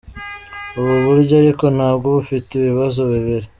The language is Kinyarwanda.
Ubu buryo ariko nabwo bufite ibibazo bibiri.